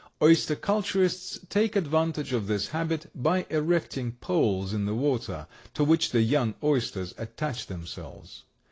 Oyster culturists take advantage of this habit by erecting poles in the water to which the young oysters attach themselves.